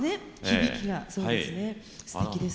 すてきです。